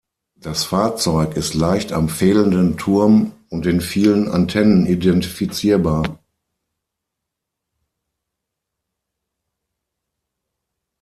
Das Fahrzeug ist leicht am fehlenden Turm und den vielen Antennen identifizierbar.